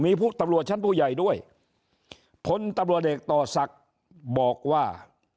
มีพวกตำรวจชั้นผู้ใหญ่ด้วยพลตำรวจเอกต่อศักดิ์บอกว่า